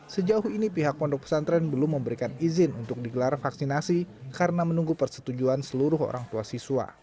sejauh ini pihak pondok pesantren belum memberikan izin untuk digelar vaksinasi karena menunggu persetujuan seluruh orang tua siswa